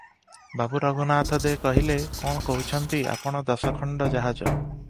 ବାବୁ ରଘୁନାଥ ଦେ କହିଲେ-କଣ କହୁଛନ୍ତି ଆପଣ ଦଶଖଣ୍ଡ ଜାହାଜ ।